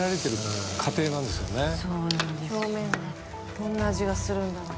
どんな味がするんだろう。